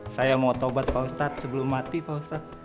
saya mau taubat pak ustadz sebelum mati pak ustadz